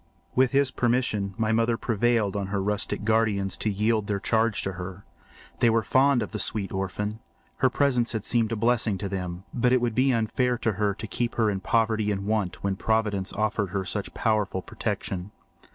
With his permission my mother prevailed on her rustic guardians to yield their charge to her. They were fond of the sweet orphan. Her presence had seemed a blessing to them, but it would be unfair to her to keep her in poverty and want when Providence afforded her such powerful protection.